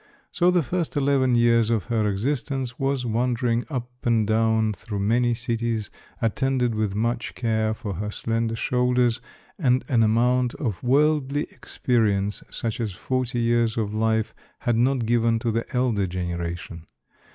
So the first eleven years of her existence was wandering up and down through many cities, attended with much care for her slender shoulders, and an amount of worldly experience such as forty years of life had not given to the elder generation.